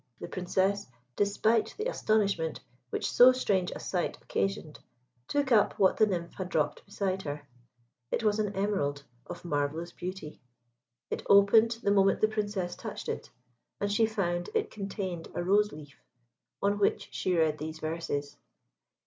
The Princess, despite the astonishment which so strange a sight occasioned, took up what the nymph had dropped beside her. It was an emerald of marvellous beauty. It opened the moment the Princess touched it, and she found it contained a rose leaf, on which she read these verses.